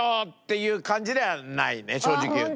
正直言うと。